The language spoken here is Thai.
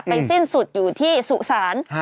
สิ้นสุดอยู่ที่สุสาน